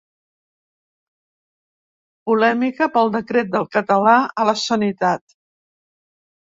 Polèmica pel decret del català a la sanitat.